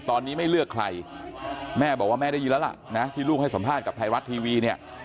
ตอนนี้ไม่เลือกใครแม่บอกว่าแม่ได้ยินแล้วล่ะนะที่ลูกให้สัมภาษณ์กับไทยรัฐทีวีเนี่ย